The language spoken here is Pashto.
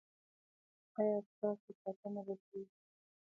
ایا ستاسو ساتنه به کیږي؟